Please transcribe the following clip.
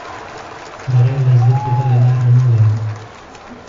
بغیر له زده کړو بله لار نه لرو.